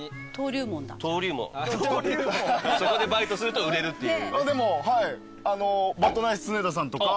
そこでバイトすると売れるっていう。